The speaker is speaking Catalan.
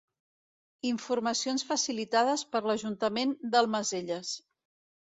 Informacions facilitades per l'ajuntament d'Almacelles.